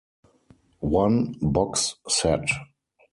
One box set.